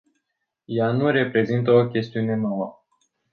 Ea nu reprezintă o chestiune nouă.